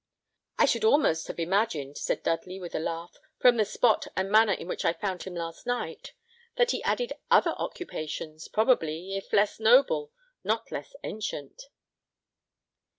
"I should almost have imagined," said Dudley, with a laugh, "from the spot and manner in which I found him last night, that he added other occupations, probably, if less noble, not less ancient."